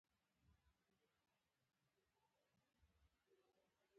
خو بیا هم په دې تړاو یوې څېړنې ته اړتیا ده.